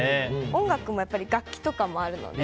音楽も楽器とかもあるので。